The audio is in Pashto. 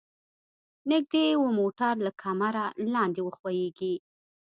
نږدې و موټر له کمره لاندې وښویيږي.